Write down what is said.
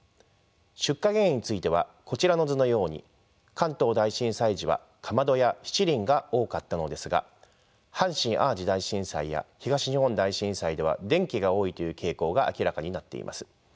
出火原因についてはこちらの図のように関東大震災時はかまどやしちりんが多かったのですが阪神・淡路大震災や東日本大震災では電気が多いという傾向が明らかになっています。